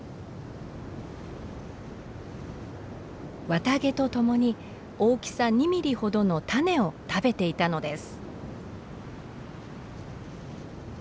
綿毛とともに大きさ２ミリほどの種を食べていたのです。